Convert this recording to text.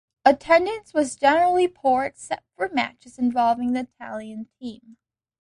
Attendance was generally poor except for matches involving the Italian team.